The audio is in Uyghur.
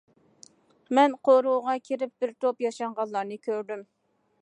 مەن قورۇغا كىرىپ بىر توپ ياشانغانلارنى كۆردۈم.